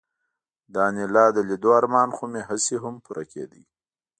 د انیلا د لیدو ارمان خو مې هسې هم پوره کېده